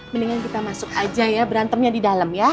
mendingan kita masuk aja ya berantemnya di dalam ya